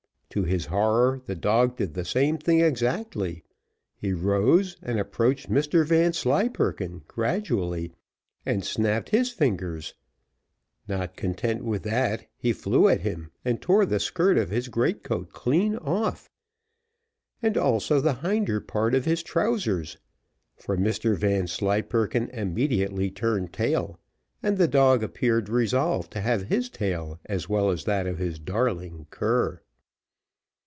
To his horror, the dog did the same thing exactly: he rose, and approached Mr Vanslyperken gradually, and snapped his fingers: not content with that, he flew at him, and tore the skirt of his great coat clean off, and also the hinder part of his trousers for Mr Vanslyperken immediately turned tail, and the dog appeared resolved to have his tail as well as that of his darling cur.